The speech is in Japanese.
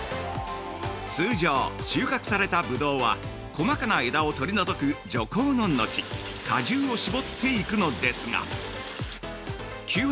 ◆通常、収穫されたぶどうは細かな枝を取り除く徐こうののち果汁を搾っていくのですが９８